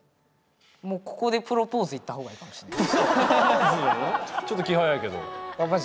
もうここでプロポーズいった方がいいかもしれない。